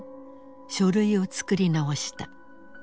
書類を作り直した。